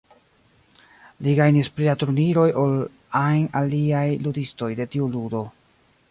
Li gajnis pli da turniroj ol ajn aliaj ludistoj de tiu ludo.